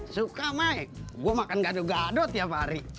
suka mai gue makan gadut gadut tiap hari